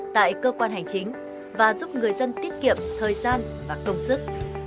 tại cơ quan hành chính và giúp người dân tiết kiệm thời gian và công sức